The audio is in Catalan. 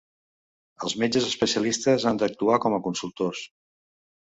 Els metges especialistes han d'actuar com a consultors.